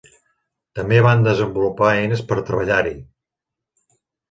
També van desenvolupar eines per treballar-hi.